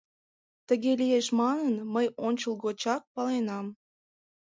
Тыге лиеш манын, мый ончылгочак паленам.